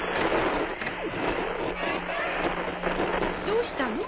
どうしたの？